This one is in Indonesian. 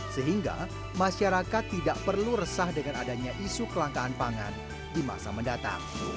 sehingga masyarakat tidak perlu resah dengan adanya isu kelangkaan pangan di masa mendatang